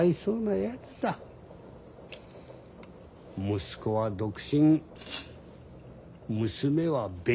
息子は独身娘は別居。